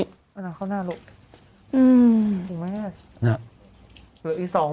เอาหนังเข้าหน้าลูก